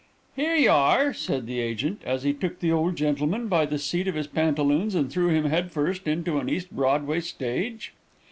"'Here y'ar,' said the agent, as he took the old gentleman by the seat of his pantaloons, and threw him head first into an East Broadway stage.